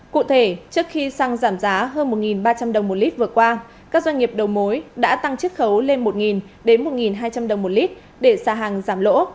cụ thể trước khi xăng giảm giá hơn một ba trăm linh đồng một lít vừa qua các doanh nghiệp đầu mối đã tăng triết khấu lên một đến một hai trăm linh đồng một lít để xà hàng giảm lỗ